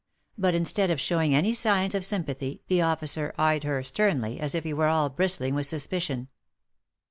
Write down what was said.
But instead of showing any signs of sympathy, the officer eyed her sternly, as if he were all bristling with suspicion.